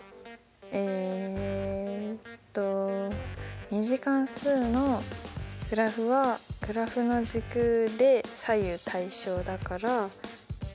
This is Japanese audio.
えっと２次関数のグラフはグラフの軸で左右対称だから。